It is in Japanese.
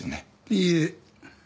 いいえ。